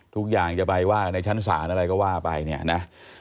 ทุกอย่างจะไปว่ากันในชั้นศาลอะไรก็ว่าไปเนี่ยนะ